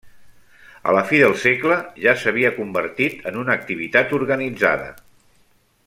A la fi del segle ja s'havia convertit en una activitat organitzada.